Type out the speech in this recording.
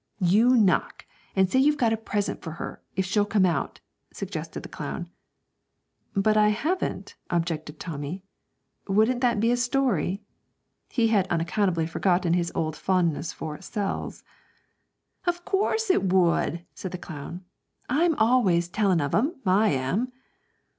'You knock, and say you've got a present for her if she'll come out,' suggested the clown. 'But I haven't,' objected Tommy; 'wouldn't that be a story?' He had unaccountably forgotten his old fondness for 'sells.' 'Of course it would,' said the clown; 'I'm always a tellin' of 'em, I am.'